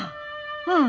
うん。